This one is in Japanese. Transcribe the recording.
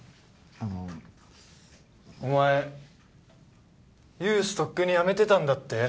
あのお前ユースとっくにやめてたんだって？